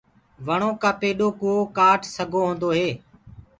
وڻو ڪآ پيڏو ڪو ڪآٽ سگھو هوندو هي۔